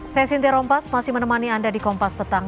saya sinti rompas masih menemani anda di kompas petang